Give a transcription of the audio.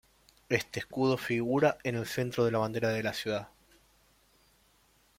Este escudo figura en el centro de la bandera de la ciudad.